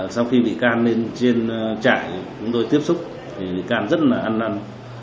sau khi bị can lên trên trại chúng tôi tiếp xúc thì bị can rất là ăn năn